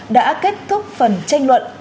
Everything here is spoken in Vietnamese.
đã kết thúc phần tranh luận